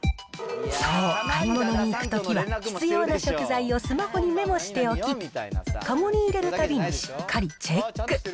そう、買い物に行くときは、必要な食材をスマホにメモしておき、籠に入れるたびにしっかりチェック。